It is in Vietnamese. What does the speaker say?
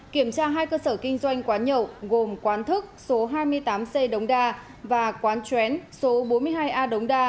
kiểm tra hai cơ sở kinh doanh quán nhậu gồm quán thức số hai mươi tám c đống đa và quán chén số bốn mươi hai a đống đa